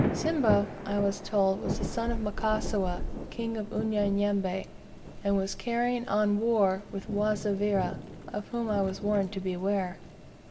Simba, I was told, was the son of Mkasiwa, King of Unyanyembe, and was carrying on war with the Wazavira, of whom I was warned to beware.